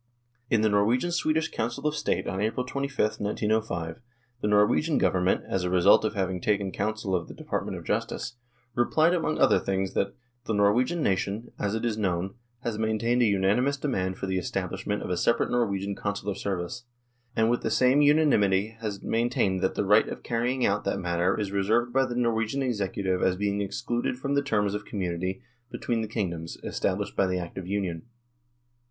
In the Norwegian Swedish Council of State on April 25, 1905, the Norwegian Government, as a result of having taken counsel of the Department of Justice, THE POLITICAL SITUATION 89 replied among other things that, " The Norwegian nation, as it is known, has maintained a unanimous demand for the establishment of a separate Norwe gian Consular service, and with the same unanimity has maintained that the right of carrying out that matter is reserved by the Norwegian Executive as being excluded from the terms of community be tween the kingdoms, established by the Act of Union.